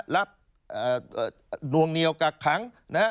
รับดวงเนียวกักขัง